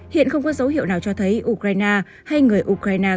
hiện không có dấu hiệu nào cho thấy ukraine hay người ukraine